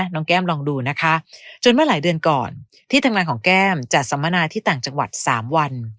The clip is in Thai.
แก้มลองดูนะคะจนเมื่อหลายเดือนก่อนที่ทำงานของแก้มจัดสัมมนาที่ต่างจังหวัด๓วัน